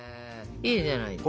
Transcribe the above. いいじゃないですか。